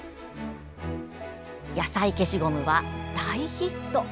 野菜消しゴムは大ヒット！